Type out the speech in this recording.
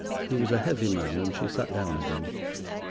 He was a heavy man, and she sat down again.